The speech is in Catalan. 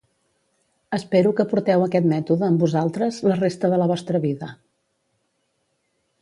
Espero que porteu aquest mètode amb vosaltres la resta de la vostra vida.